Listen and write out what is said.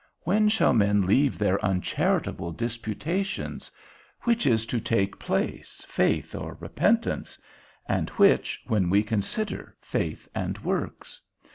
When shall men leave their uncharitable disputations, which is to take place, faith or repentance, and which, when we consider faith and works?